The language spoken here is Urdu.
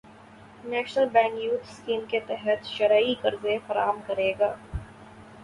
نیشنل بینک یوتھ اسکیم کے تحت شرعی قرضے فراہم کرے گا